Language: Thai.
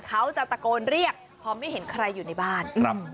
เขาจะตะโกนเรียกพอไม่เห็นใครอยู่ในบ้านครับ